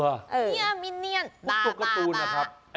เนี่ยมีเนี่ยบาบาบา